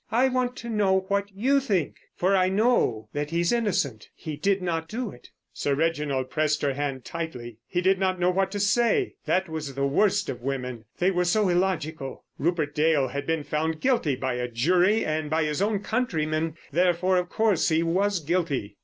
I want to know what you think. For I know that he's innocent. He did not do it." Sir Reginald pressed her hand tightly. He did not know what to say. That was the worst of women, they were so illogical. Rupert Dale had been found guilty by a jury of his own countrymen, therefore, of course, he was guilty.